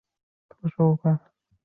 勤劳和工作效率